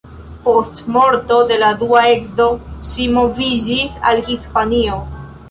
Post morto de la dua edzo ŝi moviĝis al Hispanio.